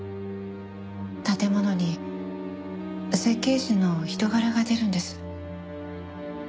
建物に設計士の人柄が出るんです。